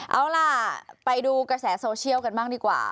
เอาล่ะไปดูกระแสโซเชียลกันบ้างดีกว่า